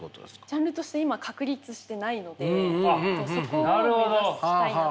ジャンルとして今確立してないのでそこを目指したいなと思って。